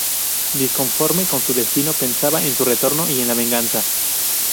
Disconforme con su destino, pensaba en su retorno y en la venganza.